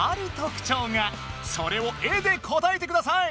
それを絵で答えてください！